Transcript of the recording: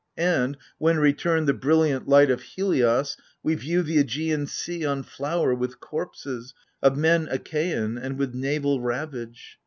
And, when returned the brilliant light of Helios, We view the Aigaian sea on flower with corpses Of men Achaian and with naval ravage.